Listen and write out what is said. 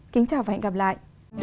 kính chào và hẹn gặp lại